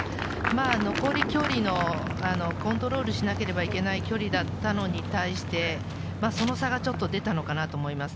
残りの距離をコントロールしなければいけない距離だったのに対して、その差がちょっと出たのかなと思います。